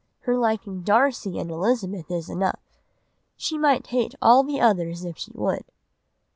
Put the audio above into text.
Her liking Darcy and Elizabeth is enough. She might hate all the others if she would."